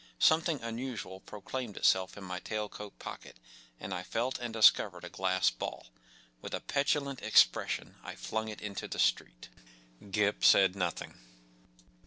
Something unusual proclaimed itself in my tail coat pocket, and I felt and discovered a glass ball. With a petulant expression I flung it into the street. Gip said nothing.